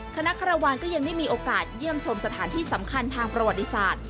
คณะคารวาลก็ยังได้มีโอกาสเยี่ยมชมสถานที่สำคัญทางประวัติศาสตร์